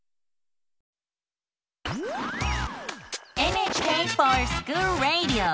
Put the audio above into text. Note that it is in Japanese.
「ＮＨＫｆｏｒＳｃｈｏｏｌＲａｄｉｏ」。